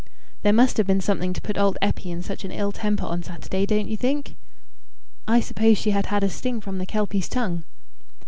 "There must have been something to put old Eppie in such an ill temper on Saturday, don't you think?" "I suppose she had had a sting from the Kelpie's tongue."